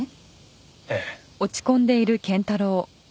ええ。